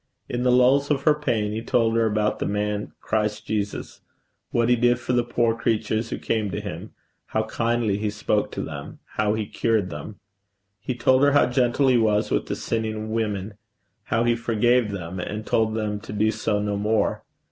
In the lulls of her pain he told her about the man Christ Jesus what he did for the poor creatures who came to him how kindly he spoke to them how he cured them. He told her how gentle he was with the sinning women, how he forgave them and told them to do so no more.